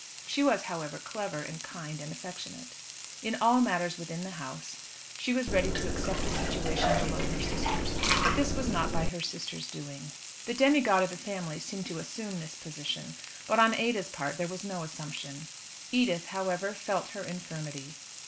She was, however, clever, and kind, and affectionate. In all matters, within the house, she was ready to accept a situation below her sister's; but this was not by her sister's doing. The demigod of the family seemed to assume this position, but on Ada's part there was no assumption. Edith, however, felt her infirmity.